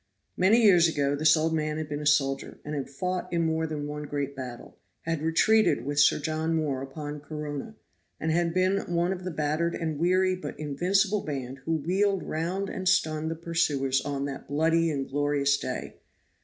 Many years ago this old man had been a soldier, had fought in more than one great battle, had retreated with Sir John Moore upon Corunna, and been one of the battered and weary but invincible band who wheeled round and stunned the pursuers on 'that bloody and glorious day.